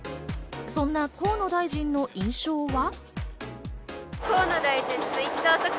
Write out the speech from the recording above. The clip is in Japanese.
そんな河野大臣の印象は。